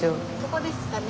ここですかね。